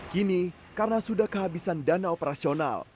kini karena sudah kehabisan dana operasional